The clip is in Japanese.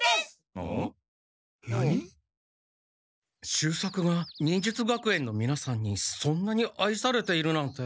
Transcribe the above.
秀作が忍術学園のみなさんにそんなに愛されているなんて。